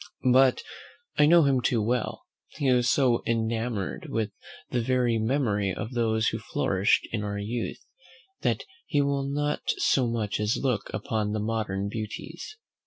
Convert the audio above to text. But I know him too well; he is so enamoured with the very memory of those who flourished in our youth, that he will not so much as look upon the modern beauties.